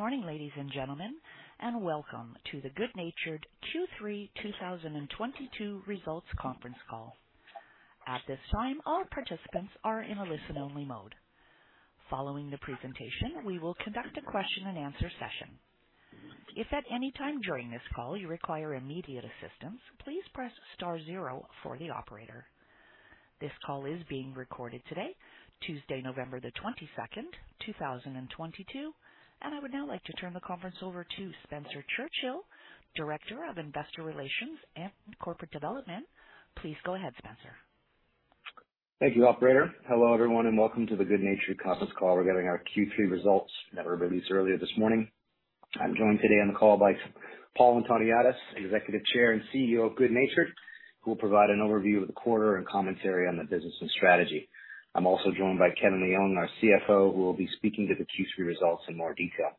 Morning, ladies and gentlemen, and welcome to the good natured Q3 2022 Results Conference Call. At this time, all participants are in a listen-only mode. Following the presentation, we will conduct a question-and-answer session. If at any time during this call you require immediate assistance, please press star zero for the operator. This call is being recorded today, Tuesday, November the 22nd, 2022. I would now like to turn the conference over to Spencer Churchill, Director of Investor Relations and Corporate Development. Please go ahead, Spencer. Thank you, operator. Hello everyone, and welcome to the good natured conference call regarding our Q3 results that were released earlier this morning. I'm joined today on the call by Paul Antoniadis, Executive Chair and CEO of good natured, who will provide an overview of the quarter and commentary on the business and strategy. I'm also joined by Kevin Leong, our CFO, who will be speaking to the Q3 results in more detail.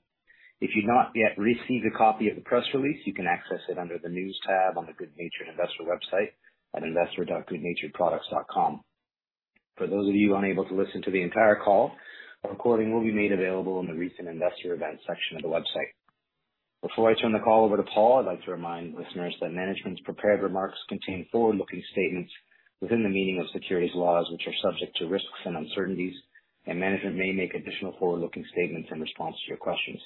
If you've not yet received a copy of the press release, you can access it under the News tab on the good natured Investor website at investor.goodnaturedproducts.com. For those of you unable to listen to the entire call, a recording will be made available in the Recent Investor Events section of the website. Before I turn the call over to Paul, I'd like to remind listeners that management's prepared remarks contain forward-looking statements within the meaning of securities laws, which are subject to risks and uncertainties, and management may make additional forward-looking statements in response to your questions.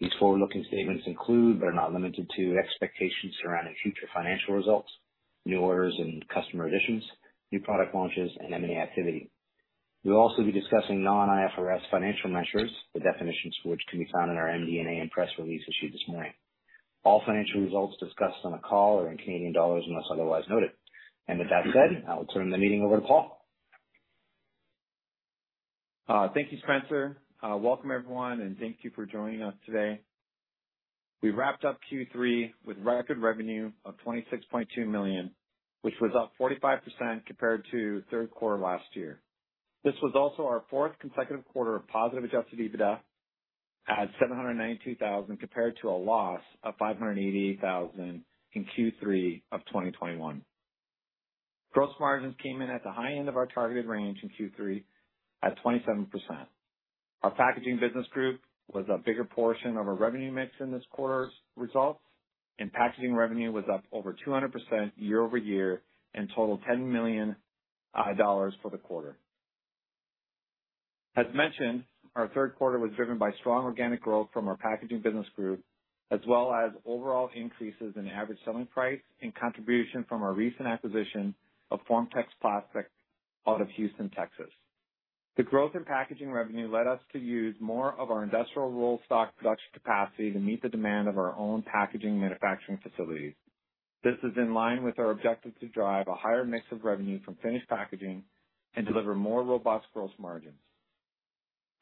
These forward-looking statements include, but are not limited to, expectations surrounding future financial results, new orders and customer additions, new product launches, and M&A activity. We'll also be discussing non-IFRS financial measures, the definitions for which can be found in our MD&A and press release issued this morning. All financial results discussed on the call are in Canadian dollars unless otherwise noted. With that said, I will turn the meeting over to Paul. Thank you, Spencer. Welcome everyone, thank you for joining us today. We wrapped up Q3 with record revenue of 26.2 million, which was up 45% compared to third quarter last year. This was also our fourth consecutive quarter of positive Adjusted EBITDA at 792,000, compared to a loss of 588,000 in Q3 of 2021. Gross margins came in at the high end of our targeted range in Q3 at 27%. Our packaging business group was a bigger portion of our revenue mix in this quarter's results, packaging revenue was up over 200% year-over-year and totaled 10 million dollars for the quarter. As mentioned, our third quarter was driven by strong organic growth from our packaging business group, as well as overall increases in average selling price and contribution from our recent acquisition of FormTex Plastics out of Houston, Texas. The growth in packaging revenue led us to use more of our industrial rollstock production capacity to meet the demand of our own packaging manufacturing facilities. This is in line with our objective to drive a higher mix of revenue from finished packaging and deliver more robust gross margins.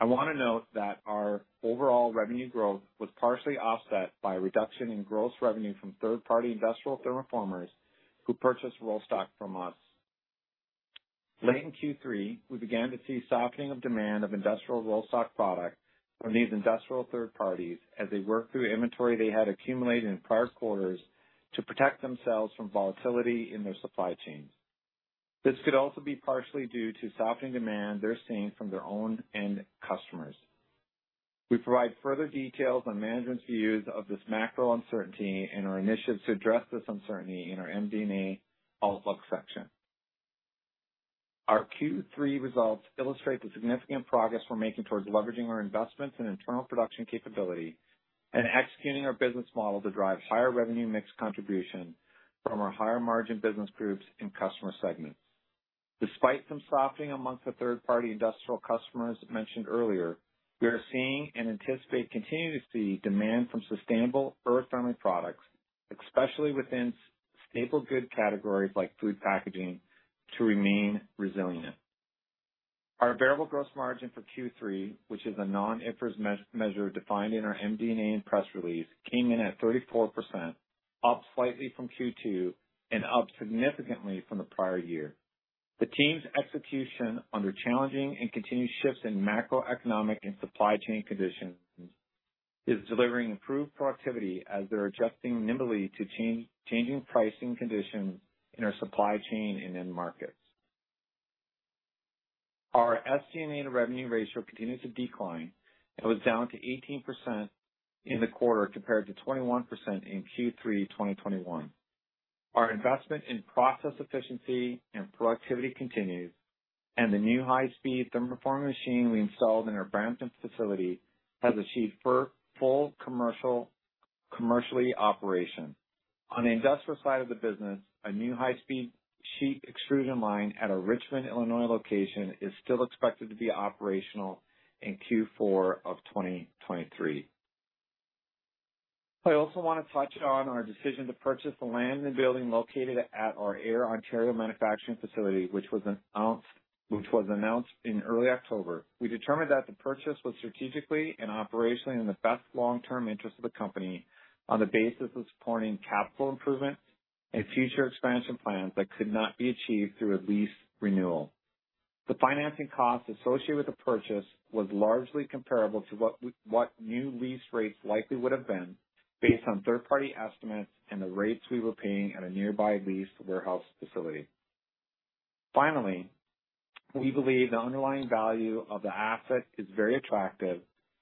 I wanna note that our overall revenue growth was partially offset by a reduction in gross revenue from third-party industrial thermoformers who purchased rollstock from us. Late in Q3, we began to see softening of demand of industrial rollstock product from these industrial third parties as they worked through inventory they had accumulated in prior quarters to protect themselves from volatility in their supply chains. This could also be partially due to softening demand they're seeing from their own end customers. We provide further details on management's views of this macro uncertainty and our initiatives to address this uncertainty in our MD&A Outlook section. Our Q3 results illustrate the significant progress we're making towards leveraging our investments in internal production capability and executing our business model to drive higher revenue mix contribution from our higher margin business groups and customer segments. Despite some softening amongst the third party industrial customers mentioned earlier, we are seeing and anticipate continuing to see demand from sustainable earth-friendly products, especially within staple good categories like food packaging, to remain resilient. Our variable gross margin for Q3, which is a non-IFRS measure defined in our MD&A and press release, came in at 34%, up slightly from Q2 and up significantly from the prior year. The team's execution under challenging and continued shifts in macroeconomic and supply chain conditions is delivering improved productivity as they're adjusting nimbly to change, changing pricing conditions in our supply chain and end markets. Our SG&A to revenue ratio continued to decline and was down to 18% in the quarter compared to 21% in Q3 2021. Our investment in process efficiency and productivity continues, and the new high-speed thermoforming machine we installed in our Brampton facility has achieved full commercially operation. On the industrial side of the business, a new high-speed sheet extrusion line at our Richmond, Illinois, location is still expected to be operational in Q4 of 2023. I also want to touch on our decision to purchase the land and building located at our Ayr, Ontario, manufacturing facility, which was announced in early October. We determined that the purchase was strategically and operationally in the best long-term interest of the company on the basis of supporting capital improvements and future expansion plans that could not be achieved through a lease renewal. The financing cost associated with the purchase was largely comparable to what new lease rates likely would have been based on third-party estimates and the rates we were paying at a nearby leased warehouse facility. We believe the underlying value of the asset is very attractive,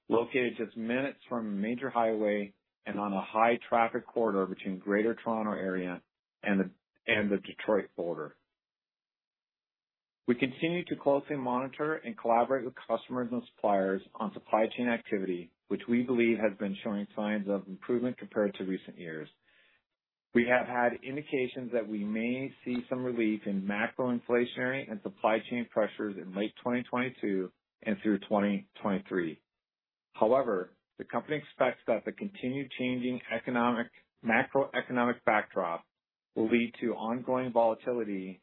located just minutes from a major highway and on a high traffic corridor between Greater Toronto Area and the Detroit border. We continue to closely monitor and collaborate with customers and suppliers on supply chain activity, which we believe has been showing signs of improvement compared to recent years. We have had indications that we may see some relief in macro inflationary and supply chain pressures in late 2022 and through 2023. The company expects that the continued changing macroeconomic backdrop will lead to ongoing volatility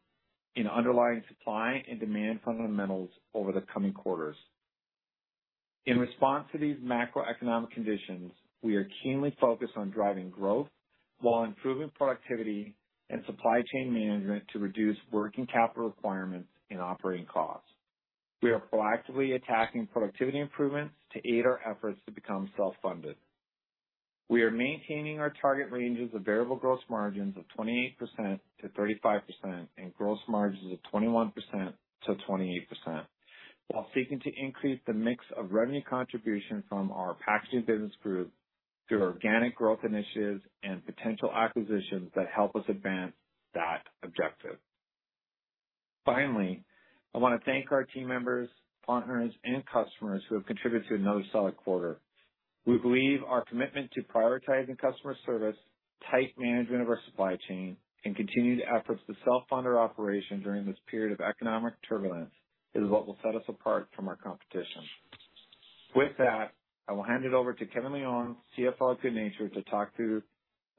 in underlying supply and demand fundamentals over the coming quarters. In response to these macroeconomic conditions, we are keenly focused on driving growth while improving productivity and supply chain management to reduce working capital requirements and operating costs. We are proactively attacking productivity improvements to aid our efforts to become self-funded. We are maintaining our target ranges of variable gross margins of 28%-35% and gross margins of 21%-28%, while seeking to increase the mix of revenue contribution from our packaging business group through organic growth initiatives and potential acquisitions that help us advance that objective. Finally, I wanna thank our team members, partners, and customers who have contributed to another solid quarter. We believe our commitment to prioritizing customer service, tight management of our supply chain, and continued efforts to self-fund our operation during this period of economic turbulence is what will set us apart from our competition. With that, I will hand it over to Kevin Leong, CFO of good natured, to talk through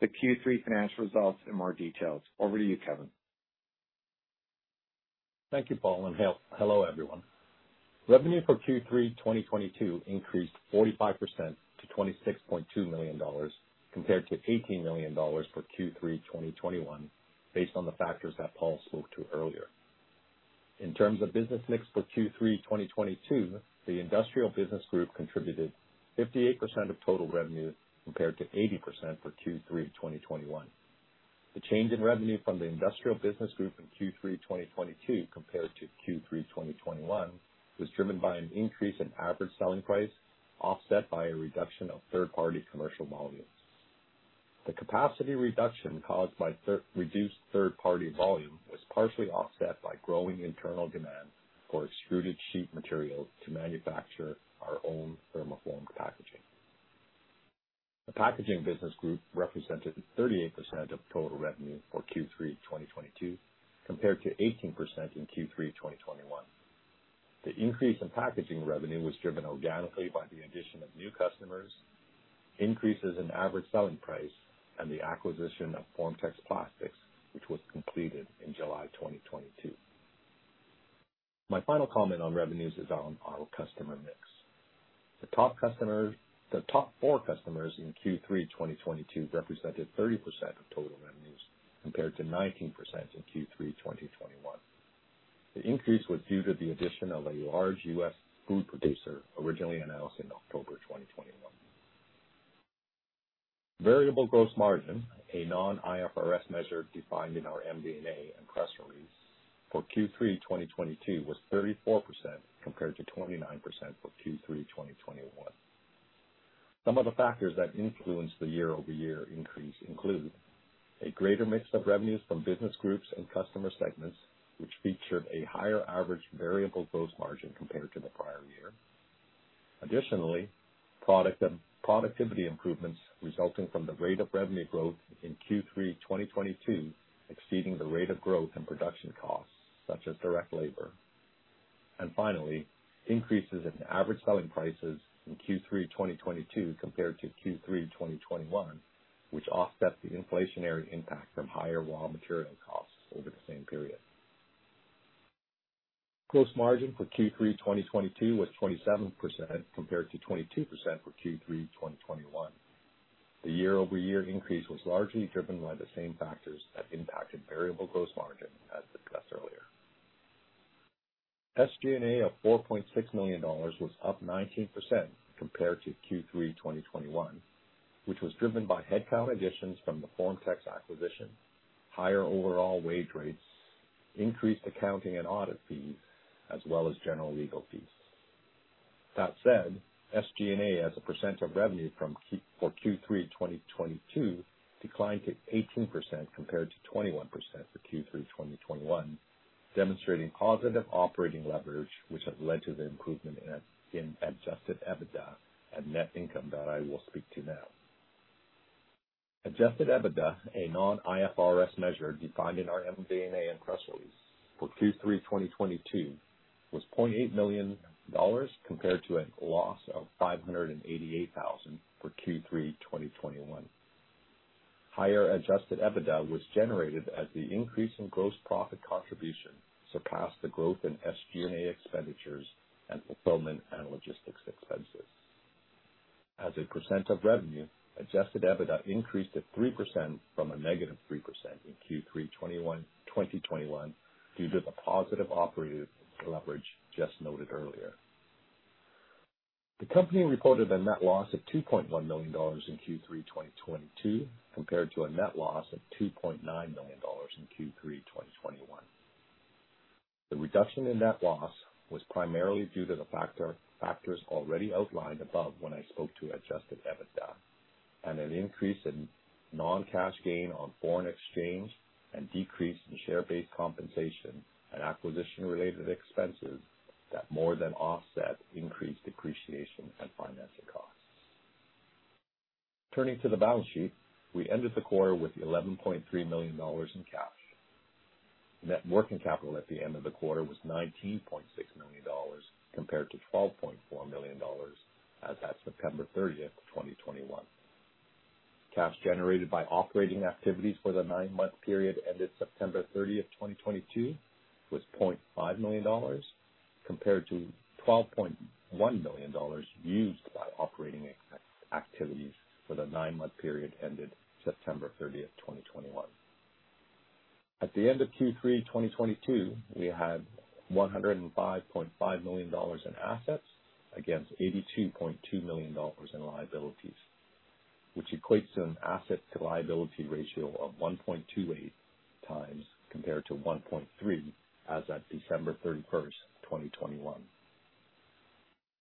the Q3 financial results in more details. Over to you, Kevin. Thank you, Paul. Hello, everyone. Revenue for Q3 2022 increased 45% to 26.2 million dollars compared to 18 million dollars for Q3 2021, based on the factors that Paul spoke to earlier. In terms of business mix for Q3 2022, the industrial business group contributed 58% of total revenue, compared to 80% for Q3 2021. The change in revenue from the industrial business group in Q3 2022 compared to Q3 2021 was driven by an increase in average selling price, offset by a reduction of third-party commercial volumes. The capacity reduction caused by reduced third-party volume was partially offset by growing internal demand for extruded sheet material to manufacture our own thermoformed packaging. The packaging business group represented 38% of total revenue for Q3 2022, compared to 18% in Q3 2021. The increase in packaging revenue was driven organically by the addition of new customers, increases in average selling price, and the acquisition of FormTex Plastics, which was completed in July 2022. My final comment on revenues is on our customer mix. The top four customers in Q3 2022 represented 30% of total revenues, compared to 19% in Q3 2021. The increase was due to the addition of a large U.S. food producer originally announced in October 2021. Variable gross margin, a non-IFRS measure defined in our MD&A and press release for Q3 2022 was 34%, compared to 29% for Q3 2021. Some of the factors that influenced the year-over-year increase include a greater mix of revenues from business groups and customer segments, which featured a higher average variable gross margin compared to the prior year. Additionally, product and productivity improvements resulting from the rate of revenue growth in Q3 2022 exceeding the rate of growth in production costs, such as direct labor. Finally, increases in average selling prices in Q3 2022 compared to Q3 2021, which offset the inflationary impact from higher raw material costs over the same period. Gross margin for Q3 2022 was 27%, compared to 22% for Q3 2021. The year-over-year increase was largely driven by the same factors that impacted variable gross margin as discussed earlier. SG&A of 4.6 million dollars was up 19% compared to Q3 2021, which was driven by headcount additions from the FormTex acquisition, higher overall wage rates, increased accounting and audit fees, as well as general legal fees. That said, SG&A as a percent of revenue for Q3 2022 declined to 18% compared to 21% for Q3 2021, demonstrating positive operating leverage, which has led to the improvement in Adjusted EBITDA and net income that I will speak to now. Adjusted EBITDA, a non-IFRS measure defined in our MD&A and press release for Q3 2022, was 0.8 million dollars compared to a loss of 588,000 for Q3 2021. Higher Adjusted EBITDA was generated as the increase in gross profit contribution surpassed the growth in SG&A expenditures and fulfillment and logistics expenses. As a % of revenue, Adjusted EBITDA increased to 3% from a -3% in Q3 2021 due to the positive operative leverage just noted earlier. The company reported a net loss of 2.1 million dollars in Q3 2022, compared to a net loss of 2.9 million dollars in Q3 2021. The reduction in net loss was primarily due to the factors already outlined above when I spoke to Adjusted EBITDA, and an increase in non-cash gain on foreign exchange and decrease in share-based compensation and acquisition related expenses that more than offset increased depreciation and financing costs. Turning to the balance sheet, we ended the quarter with 11.3 million dollars in cash. Net working capital at the end of the quarter was 19.6 million dollars, compared to 12.4 million dollars as at September 30, 2021. Cash generated by operating activities for the nine-month period ended September 30, 2022 was CAD 0.5 million, compared to CAD 12.1 million used by operating activities for the nine-month period ended September 30, 2021. At the end of Q3 2022, we had 105.5 million dollars in assets against 82.2 million dollars in liabilities, which equates to an asset to liability ratio of 1.28 times compared to 1.3 as at December 31, 2021.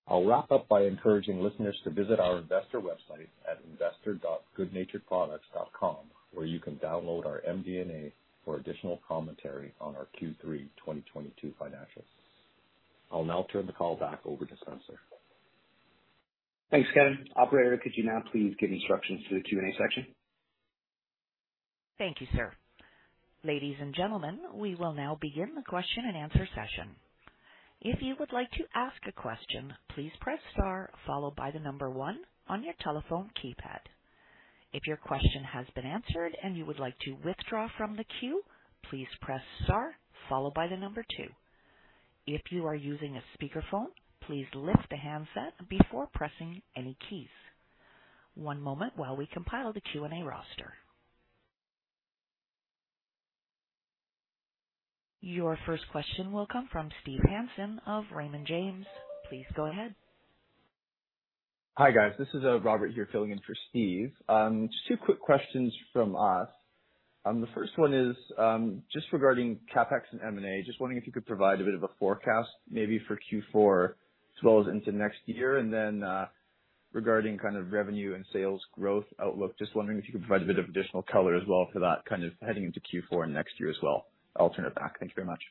I'll wrap up by encouraging listeners to visit our investor website at investor.goodnaturedproducts.com, where you can download our MD&A for additional commentary on our Q3 2022 financials. I'll now turn the call back over to Spencer. Thanks, Kevin. Operator, could you now please give instructions for the Q&A section? Thank you, sir. Ladies and gentlemen, we will now begin the question and answer session. If you would like to ask a question, please press star followed by the one on your telephone keypad. If your question has been answered and you would like to withdraw from the queue, please press star followed by the two. If you are using a speakerphone, please lift the handset before pressing any keys. One moment while we compile the Q&A roster. Your first question will come from Steve Hansen of Raymond James. Please go ahead. Hi, guys. This is Robert here filling in for Steve. Just 2 quick questions from us. The first one is just regarding CapEx and M&A. Just wondering if you could provide a bit of a forecast maybe for Q4 as well as into next year. Regarding kind of revenue and sales growth outlook, just wondering if you could provide a bit of additional color as well for that kind of heading into Q4 next year as well. I'll turn it back. Thank you very much.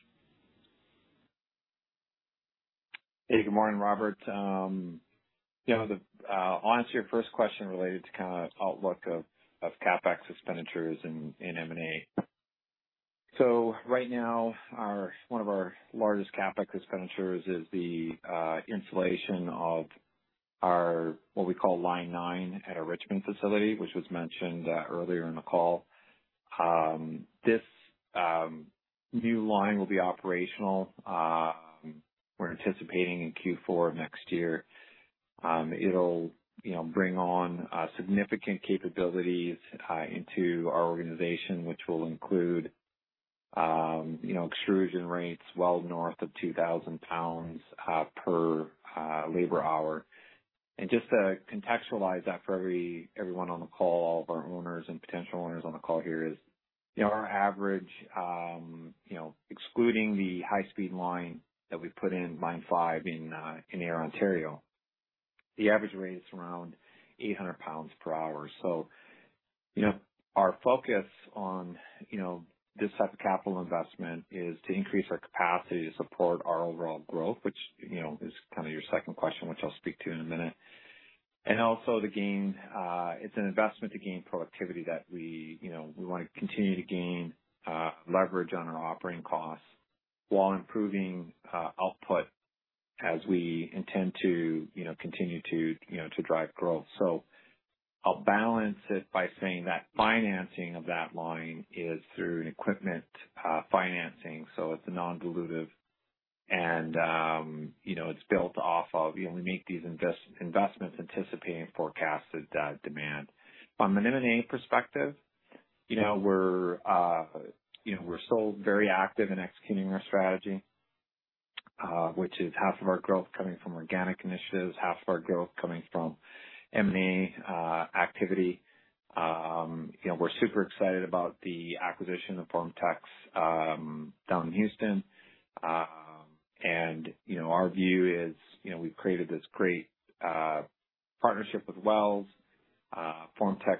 Hey, good morning, Robert. Yeah, I'll answer your first question related to kind of outlook of CapEx expenditures and M&A. One of our largest CapEx expenditures is the installation of our, what we call line nine at our Richmond facility, which was mentioned earlier in the call. This new line will be operational, we're anticipating in Q4 of next year. It'll, you know, bring on significant capabilities into our organization, which will include, you know, extrusion rates well north of 2,000 pounds per labor hour. Just to contextualize that for everyone on the call, all of our owners and potential owners on the call here is, you know, our average, you know, excluding the high speed line that we put in line five in Ayr, Ontario, the average rate is around 800 pounds per hour. You know, our focus on, you know, this type of capital investment is to increase our capacity to support our overall growth, which, you know, is kind of your second question, which I'll speak to in a minute. Also the gain, it's an investment to gain productivity that we, you know, we wanna continue to gain leverage on our operating costs while improving output as we intend to, you know, continue to, you know, to drive growth. I'll balance it by saying that financing of that line is through an equipment financing. It's non-dilutive and, you know, it's built off of, you know, we make these investments anticipating forecasted demand. From an M&A perspective, you know, we're, you know, we're still very active in executing our strategy, which is half of our growth coming from organic initiatives, half of our growth coming from M&A activity. You know, we're super excited about the acquisition of FormTex down in Houston. You know, our view is, you know, we've created this great partnership with Wells. FormTex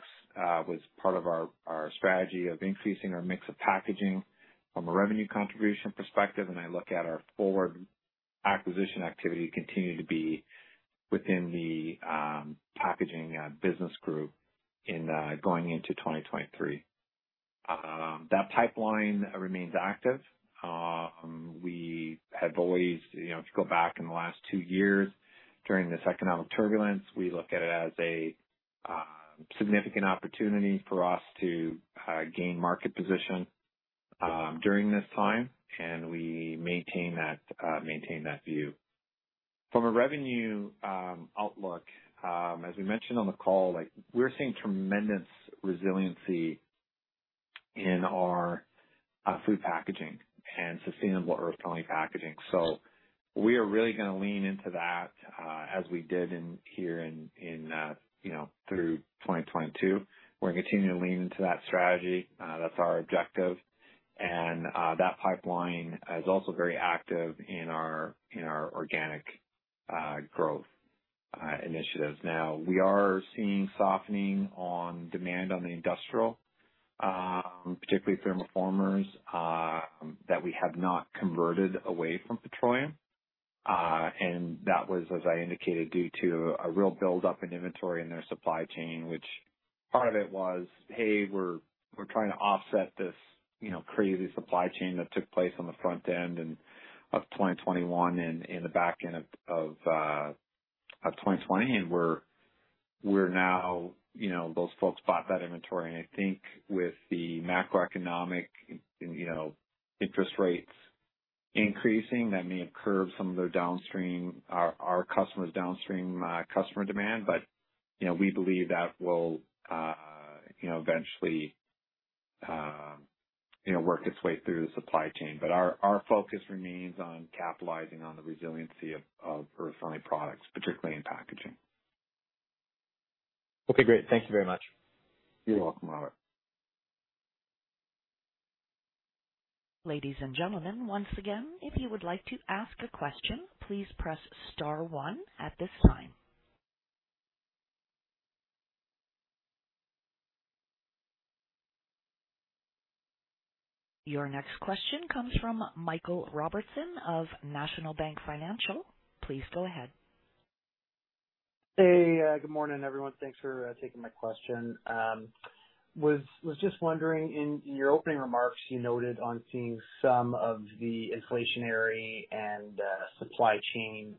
was part of our strategy of increasing our mix of packaging from a revenue contribution perspective. I look at our forward acquisition activity continuing to be within the packaging business group in going into 2023. That pipeline remains active. We have always, you know, if you go back in the last two years during this economic turbulence, we look at it as a significant opportunity for us to gain market position during this time, and we maintain that maintain that view. From a revenue outlook, as we mentioned on the call, like we're seeing tremendous resiliency in our food packaging and sustainable earth-friendly packaging. We are really gonna lean into that as we did in here in, you know, through 2022. We're gonna continue to lean into that strategy, that's our objective. That pipeline is also very active in our organic growth initiatives. Now we are seeing softening on demand on the industrial, particularly through thermoformers that we have not converted away from petroleum. That was, as I indicated, due to a real buildup in inventory in their supply chain, which part of it was, hey, we're trying to offset this, you know, crazy supply chain that took place on the front end of 2021 and in the back end of 2020. We're now, you know, those folks bought that inventory. I think with the macroeconomic and, you know, interest rates increasing, that may curb some of their downstream, our customers downstream customer demand. You know, we believe that will, you know, eventually, you know, work its way through the supply chain. Our focus remains on capitalizing on the resiliency of earth-friendly products, particularly in packaging. Okay, great. Thank you very much. You're welcome, Robert. Ladies and gentlemen, once again, if you would like to ask a question, please press star one at this time. Your next question comes from Michael Robertson of National Bank Financial. Please go ahead. Hey, good morning, everyone. Thanks for taking my question. was just wondering in your opening remarks, you noted on seeing some of the inflationary and supply chain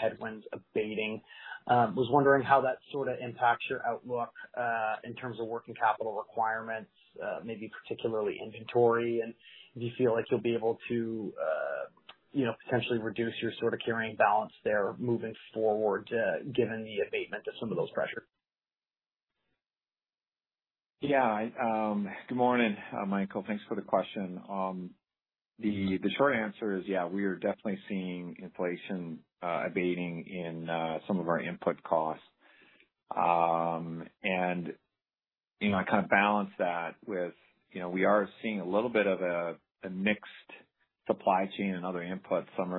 headwinds abating. was wondering how that sort of impacts your outlook in terms of working capital requirements, maybe particularly inventory. Do you feel like you'll be able to, you know, potentially reduce your sort of carrying balance there moving forward, given the abatement of some of those pressures? Yeah. Good morning, Michael, thanks for the question. The short answer is, yeah, we are definitely seeing inflation abating in some of our input costs. You know, I kind of balance that with, you know, we are seeing a little bit of a mixed supply chain and other inputs. Some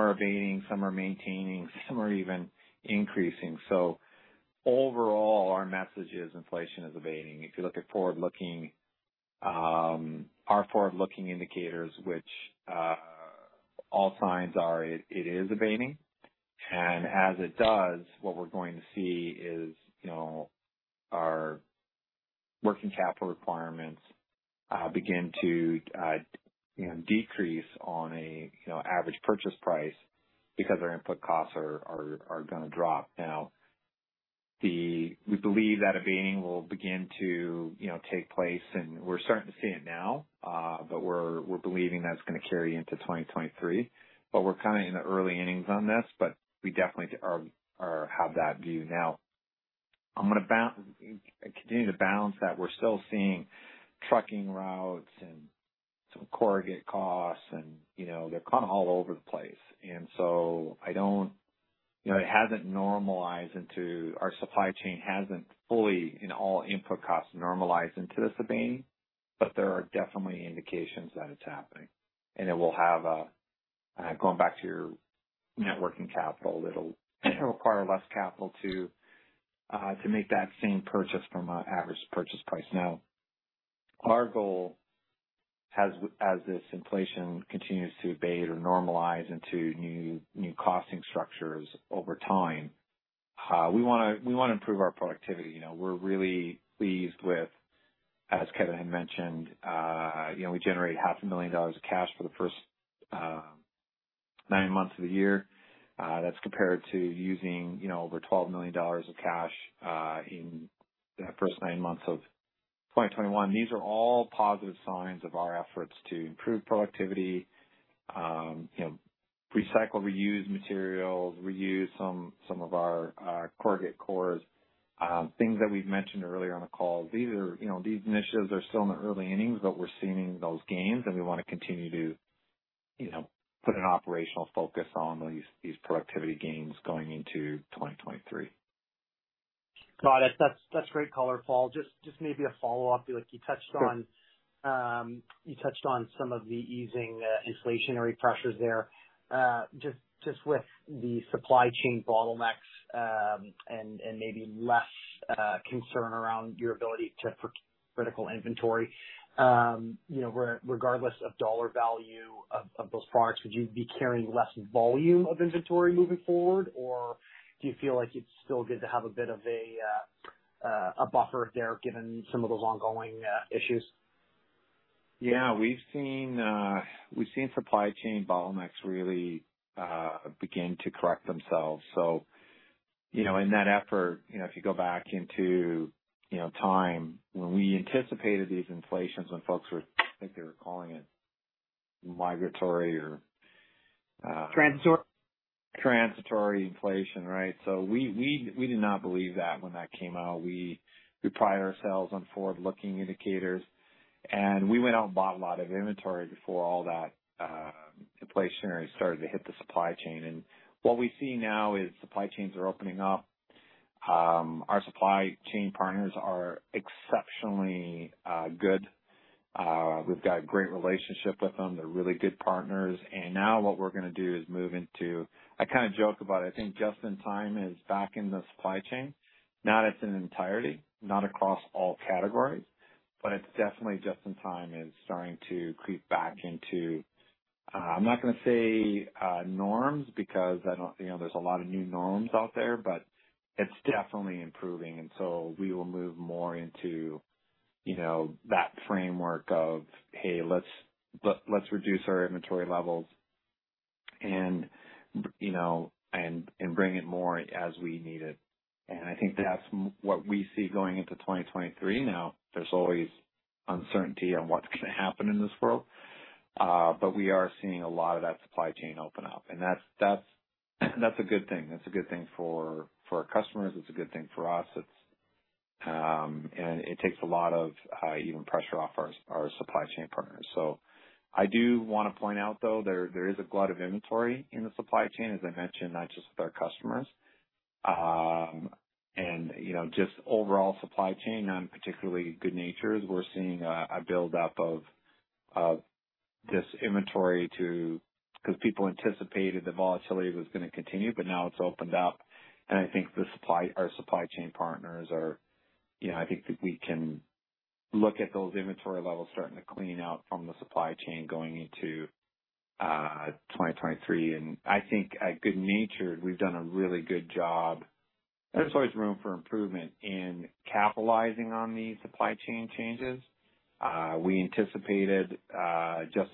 are abating, some are maintaining, some are even increasing. Overall, our message is inflation is abating. If you look at forward-looking, our forward-looking indicators, which all signs are, it is abating. As it does, what we're going to see is, you know, our working capital requirements begin to, you know, decrease on a, you know, average purchase price because our input costs are gonna drop. We believe that abating will begin to, you know, take place, and we're starting to see it now. But we're believing that's gonna carry into 2023, but we're kind of in the early innings on this, but we definitely are have that view. Now, I'm gonna continue to balance that. We're still seeing trucking routes and some corrugate costs and, you know, they're kind of all over the place. I don't... You know, it hasn't normalized. Our supply chain hasn't fully, in all input costs, normalized into this abating, but there are definitely indications that it's happening. It will have a, going back to your net working capital, it'll require less capital to make that same purchase from a average purchase price. Now our goal as this inflation continues to abate or normalize into new costing structures over time, we wanna improve our productivity. You know, we're really pleased with, as Kevin had mentioned, you know, we generate CAD half a million dollars of cash for the first nine months of the year. That's compared to using, you know, over 12 million dollars of cash in that first nine months of 2021. These are all positive signs of our efforts to improve productivity, you know, recycle, reuse materials, reuse some of our corrugate cores, things that we've mentioned earlier on the call. These are, you know, these initiatives are still in the early innings, but we're seeing those gains and we wanna continue to, you know, put an operational focus on these productivity gains going into 2023. Got it. That's great color, Paul. Just maybe a follow-up. Like you touched on- Sure. You touched on some of the easing, inflationary pressures there. Just with the supply chain bottlenecks, and maybe less, concern around your ability to procure critical inventory, you know, regardless of dollar value of those products, would you be carrying less volume of inventory moving forward? Or do you feel like it's still good to have a bit of a buffer there given some of those ongoing, issues? Yeah. We've seen supply chain bottlenecks really begin to correct themselves. You know, in that effort, you know, if you go back into, you know, time when we anticipated these inflations, when folks were, I think they were calling it migratory or Transitory? Transitory inflation, right? We did not believe that when that came out. We pride ourselves on forward-looking indicators. We went out and bought a lot of inventory before all that inflationary started to hit the supply chain. What we see now is supply chains are opening up. Our supply chain partners are exceptionally good. We've got great relationship with them. They're really good partners. Now what we're gonna do is move into. I kind of joke about it. I think just in time is back in the supply chain. Not its entirety, not across all categories, but it's definitely just in time is starting to creep back into, I'm not gonna say norms because I don't, you know, there's a lot of new norms out there, but it's definitely improving. We will move more into, you know, that framework of, hey, let's reduce our inventory levels and, you know, bring it more as we need it. I think that's what we see going into 2023. There's always uncertainty on what's gonna happen in this world, but we are seeing a lot of that supply chain open up. That's a good thing. That's a good thing for our customers. It's a good thing for us. It takes a lot of even pressure off our supply chain partners. I do wanna point out, though, there is a glut of inventory in the supply chain, as I mentioned, not just with our customers. You know, just overall supply chain on particularly good natured, we're seeing a build up of this inventory to cause people anticipated the volatility was gonna continue, but now it's opened up and I think the supply, our supply chain partners are, you know, I think that we can look at those inventory levels starting to clean out from the supply chain going into 2023. I think at good natured, we've done a really good job. There's always room for improvement in capitalizing on these supply chain changes. We anticipated the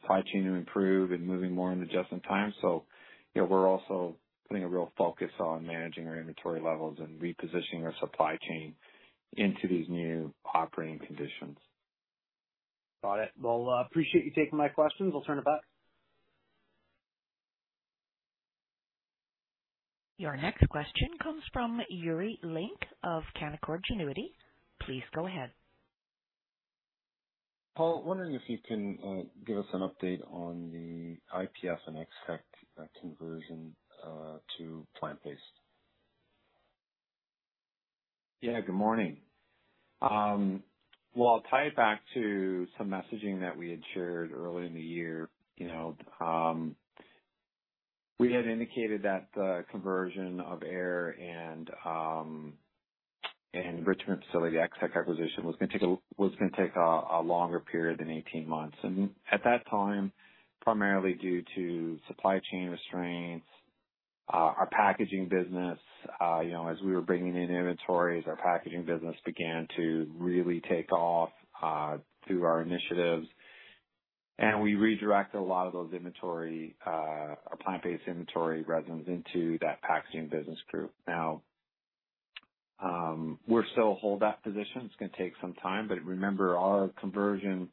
supply chain to improve and moving more into just in time. You know, we're also putting a real focus on managing our inventory levels and repositioning our supply chain into these new operating conditions. Got it. Well, appreciate you taking my questions. I'll turn it back. Your next question comes from Yuri Lynk of Canaccord Genuity. Please go ahead. Paul, wondering if you can give us an update on the IPF and Ex-Tech conversion to plant-based? Yeah. Good morning. Well, I'll tie it back to some messaging that we had shared earlier in the year. You know, we had indicated that the conversion of Ayr and Richmond facility, the Ex-Tech acquisition, was gonna take a longer period than 18 months. At that time, primarily due to supply chain restraints, our packaging business, you know, as we were bringing in inventories, our packaging business began to really take off through our initiatives. We redirected a lot of those inventory, our plant-based inventory resins into that packaging business group. Now, we're still a hold that position. It's gonna take some time, but remember, our conversion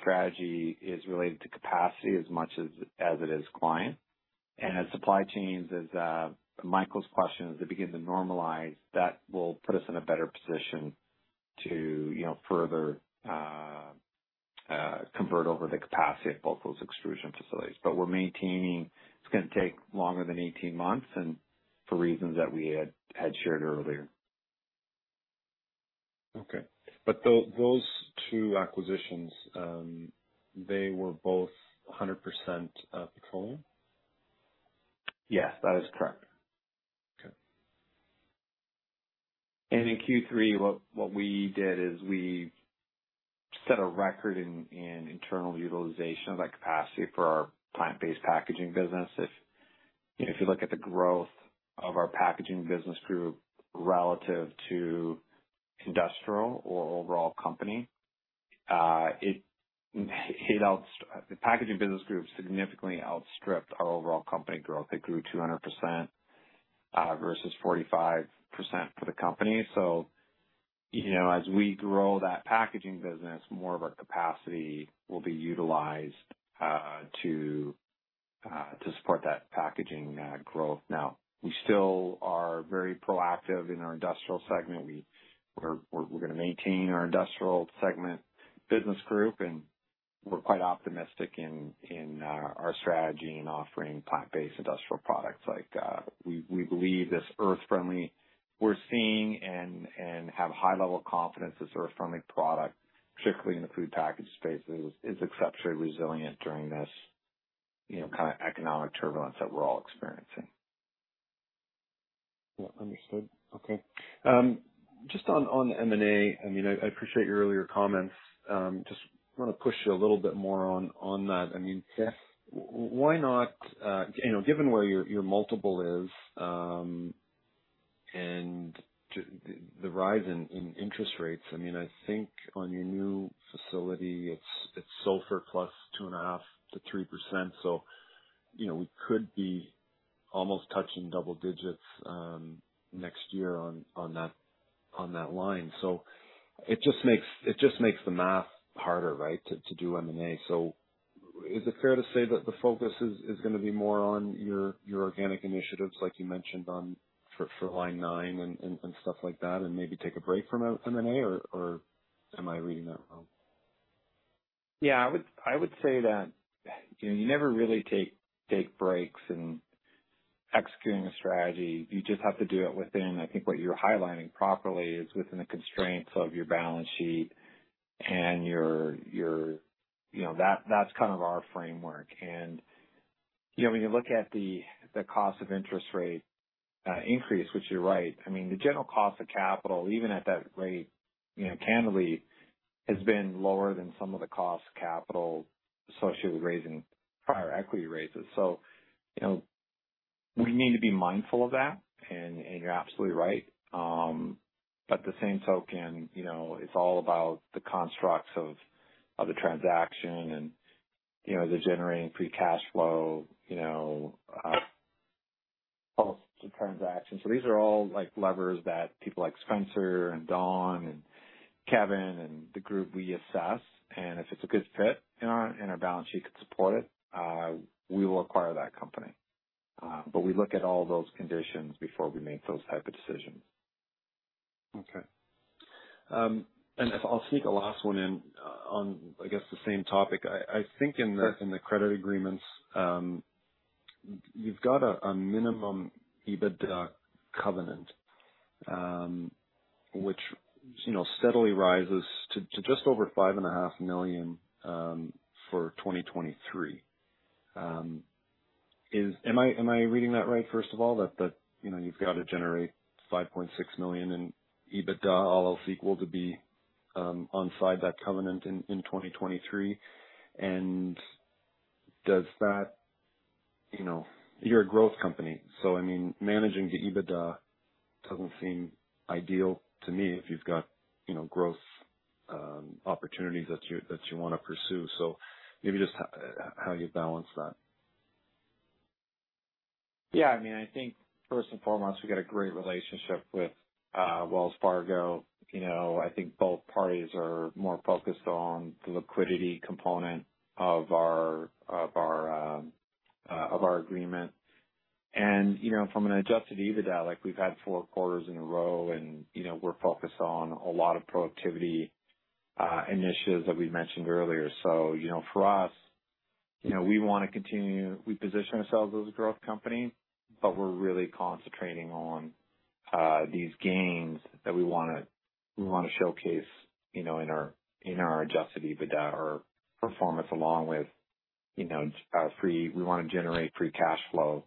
strategy is related to capacity as much as it is client. As supply chains, as Michael's question, as they begin to normalize, that will put us in a better position to, you know, further convert over the capacity at both those extrusion facilities. We're maintaining it's gonna take longer than 18 months, for reasons that we had shared earlier. Okay. those two acquisitions, they were both 100%, petroleum? Yes, that is correct. Okay. In Q3, what we did is we set a record in internal utilization of that capacity for our plant-based packaging business. If you look at the growth of our packaging business group relative to industrial or overall company, the packaging business group significantly outstripped our overall company growth. It grew 200% versus 45% for the company. You know, as we grow that packaging business, more of our capacity will be utilized to support that packaging growth. Now, we still are very proactive in our industrial segment. We're gonna maintain our industrial segment business group, and we're quite optimistic in our strategy in offering plant-based industrial products. Like, we believe this earth-friendly we're seeing and have high level confidence this earth-friendly product, particularly in the food package space, is exceptionally resilient during this, you know, kind of economic turbulence that we're all experiencing. Yeah. Understood. Okay. Just on M&A, I mean, I appreciate your earlier comments. Just wanna push you a little bit more on that. I mean, why not, you know, given where your multiple is, and the rise in interest rates, I mean, I think on your new facility, it's SOFR +2.5%-3%. You know, we could be almost touching double digits next year on that line. It just makes the math harder, right? To do M&A. Is it fair to say that the focus is gonna be more on your organic initiatives like you mentioned on for line nine and stuff like that, and maybe take a break from M&A? Or am I reading that wrong? Yeah, I would say that, you know, you never really take breaks in executing a strategy. You just have to do it within, I think what you're highlighting properly is within the constraints of your balance sheet and your, you know, that's kind of our framework. You know, when you look at the cost of interest rate increase, which you're right, I mean, the general cost of capital, even at that rate, you know, candidly, has been lower than some of the cost of capital associated with raising prior equity raises. You know, we need to be mindful of that, and you're absolutely right. The same token, you know, it's all about the constructs of the transaction and, you know, the generating free cash flow, you know, of the transaction. These are all like levers that people like Spencer and Don and Kevin and the group we assess. If it's a good fit and our, and our balance sheet can support it, we will acquire that company. We look at all those conditions before we make those type of decisions. Okay. If I'll sneak a last one in on, I guess, the same topic. I think. Sure. In the credit agreements, you've got a minimum EBITDA covenant, which, you know, steadily rises to just over 5.5 million for 2023. am I reading that right, first of all, that, you know, you've got to generate 5.6 million in EBITDA, all else equal to be onside that covenant in 2023? Does that, you know... You're a growth company, so I mean, managing the EBITDA doesn't seem ideal to me if you've got, you know, growth opportunities that you wanna pursue. Maybe just how you balance that. Yeah. I mean, I think first and foremost, we've got a great relationship with Wells Fargo. You know, I think both parties are more focused on the liquidity component of our, of our agreement. From an Adjusted EBITDA, like, we've had 4 quarters in a row and, you know, we're focused on a lot of productivity initiatives that we mentioned earlier. For us, you know, we wanna continue. We position ourselves as a growth company, but we're really concentrating on these gains that we wanna, we wanna showcase, you know, in our, in our Adjusted EBITDA or performance along with, you know, we wanna generate free cash flow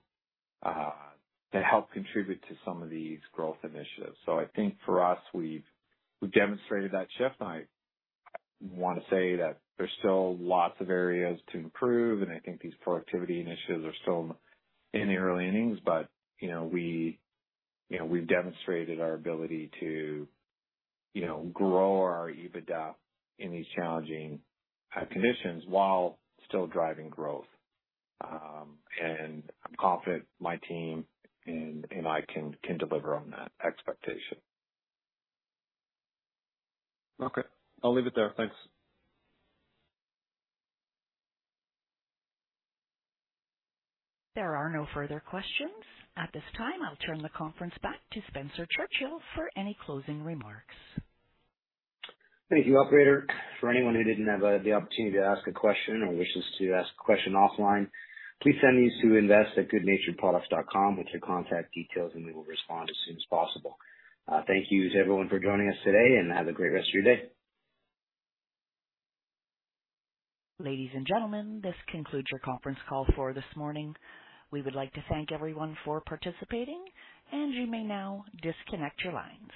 to help contribute to some of these growth initiatives. I think for us, we've demonstrated that shift, I wanna say that there's still lots of areas to improve. I think these productivity initiatives are still in the early innings but, you know, we, you know, we've demonstrated our ability to, you know, grow our EBITDA in these challenging conditions while still driving growth. I'm confident my team and I can deliver on that expectation. Okay. I'll leave it there. Thanks. There are no further questions. At this time, I'll turn the conference back to Spencer Churchill for any closing remarks. Thank you, operator. For anyone who didn't have the opportunity to ask a question or wishes to ask a question offline, please send these to invest@goodnaturedproducts.com with your contact details, and we will respond as soon as possible. Thank you to everyone for joining us today, and have a great rest of your day. Ladies and gentlemen, this concludes your conference call for this morning. We would like to thank everyone for participating, and you may now disconnect your lines.